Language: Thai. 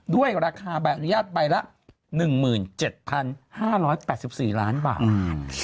ด้วยราคาใบอนุญาตใบละ๑๗๕๘๔ล้านบาท